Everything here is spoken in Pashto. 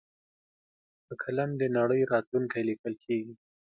په قلم د نړۍ راتلونکی لیکل کېږي.